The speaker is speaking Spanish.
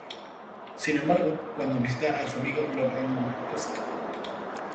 Sin embargo, cuando visita a su amigo Lord Edmund St.